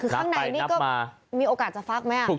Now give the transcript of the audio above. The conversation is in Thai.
คือข้างในมีโอกาสจะฟักไหม